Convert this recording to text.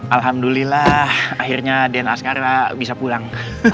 alhamdulillah akhirnya den askar bisa pulang